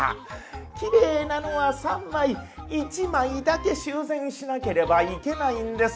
きれいなのは３枚１枚だけ修繕しなければいけないんです。